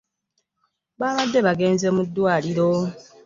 Babadde bagenze mu ddwaliro.